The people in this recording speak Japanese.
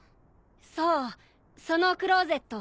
そうそのクローゼット。